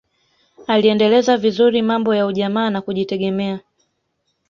aliendeleza vizuri mambo ya ujamaa na kujitegemea